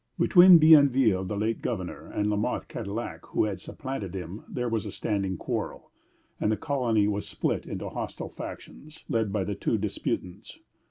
Between Bienville, the late governor, and La Mothe Cadillac, who had supplanted him, there was a standing quarrel; and the colony was split into hostile factions, led by the two disputants.